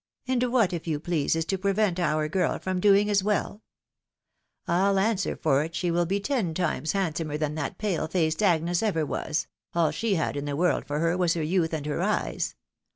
And what, if you please, is to prevent our girl from doing as well ? I'll answer for it she will be ten times handsomer than that pale faced Agnes ever was — all she had in the world for her was her youth and her eyes.